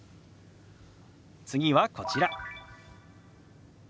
次はこちら。